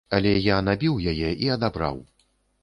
Але я набіў яе і адабраў.